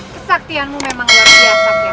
kesaktianmu memang berhias hias